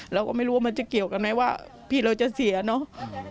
เราก็ไม่รู้ว่ามันจะเกี่ยวกันไหมว่าพี่เราจะเสียเนาะ